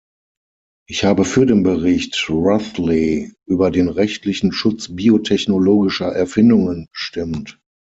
Ich habe für den Bericht Rothley über den rechtlichen Schutz biotechnologischer Erfindungen gestimmt.